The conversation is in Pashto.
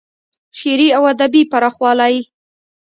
شعري او ادبي پراخوالی